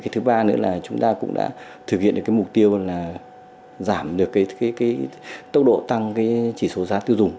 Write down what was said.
thứ ba nữa là chúng ta cũng đã thực hiện được cái mục tiêu là giảm được cái tốc độ tăng cái chỉ số giá tiêu dùng